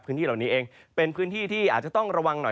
พื้นที่เหล่านี้เองเป็นพื้นที่ที่อาจจะต้องระวังหน่อย